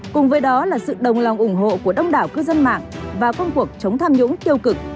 cùng với đó là sự đồng lòng ủng hộ của đông đảo cư dân mạng và công cuộc chống tham nhũng tiêu cực